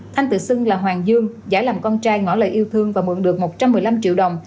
thanh tự xưng là hoàng dương giải làm con trai ngõ lời yêu thương và mượn được một trăm một mươi năm triệu đồng